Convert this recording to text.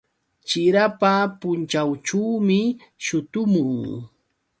Chirapa punćhawćhuumi shutumun.